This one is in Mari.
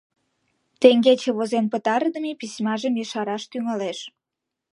Теҥгече возен пытарыдыме письмажым ешараш тӱҥалеш: